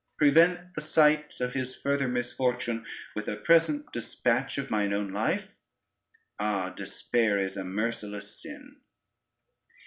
prevent the sight of his further misfortune with a present dispatch of mine own life? Ah, despair is a merciless sin!"